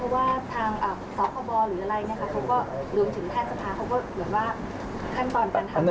ก็รวมถึงแทนสะพะเขาก็เหมือนว่าขั้นตอนการทำ